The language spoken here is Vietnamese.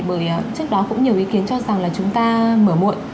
bởi trước đó cũng nhiều ý kiến cho rằng là chúng ta mở muộn